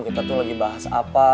kita tuh lagi bahas apa